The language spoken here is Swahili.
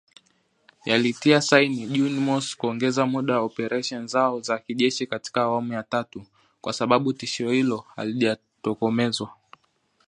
yalitia saini Juni mosi kuongeza muda wa operesheni zao za kijeshi katika awamu ya tatu, kwa sababu tishio hilo halijatokomezwa